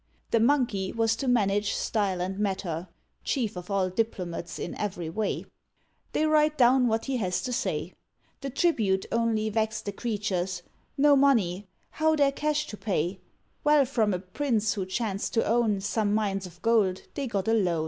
The Monkey was to manage style and matter (Chief of all diplomats in every way); They write down what he has to say. The tribute only vexed the creatures: No money! how their cash to pay? Well from a prince, who chanced to own Some mines of gold, they got a loan.